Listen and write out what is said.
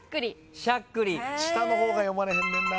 下の方が読まれへんねんな。